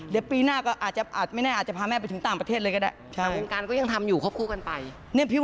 เดี๋ยวปีหน้าก็อาจจะไม่แน่อาจจะพาแม่ไปถึงต่างประเทศเลยก็ได้